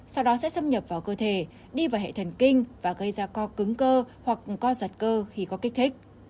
sau đó sẽ xâm nhập vào cơ thể đi vào hệ thần kinh và gây ra co cứng cơ hoặc co giật cơ khi có kích thích